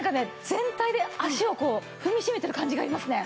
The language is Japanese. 全体で足をこう踏みしめてる感じがありますね。